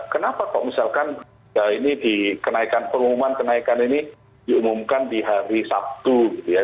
kenapa kok misalkan ini dikenaikan pengumuman kenaikan ini diumumkan di hari sabtu gitu ya